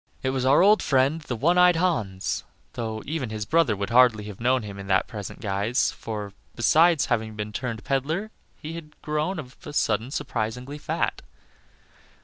It was our old friend the one eyed Hans, though even his brother would hardly have known him in his present guise, for, besides having turned peddler, he had grown of a sudden surprisingly fat.